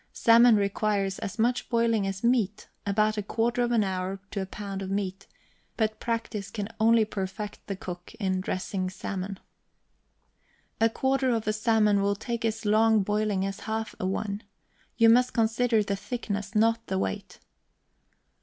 Salmon requires as much boiling as meat; about a quarter of an hour to a pound of meat; but practice can only perfect the cook in dressing salmon. A quarter of a salmon will take as long boiling as half a one. You must consider the thickness, not the weight.